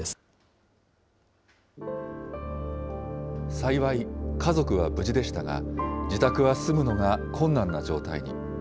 幸い、家族は無事でしたが、自宅は住むのが困難な状態に。